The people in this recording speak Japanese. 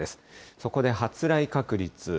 そこで発雷確率。